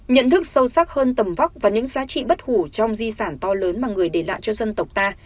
nhận thức sâu sắc hơn tầm vóc và những giá trị bất hủ trong di sản to lớn mà người để lại cho dân tộc ta